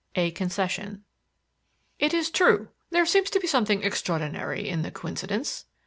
A CONCESSION "It is true; there seems to be something extraordinary in the coincidence."